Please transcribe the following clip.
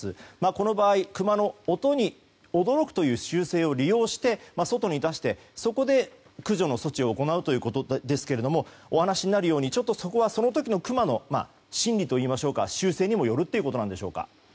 この場合クマの音に驚くという習性を利用して、外に出してそこで駆除の措置を行うということですがお話になるようにそれは、その時のクマの心理といいますか習性にもよるということでしょうか。